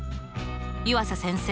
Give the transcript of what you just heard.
湯浅先生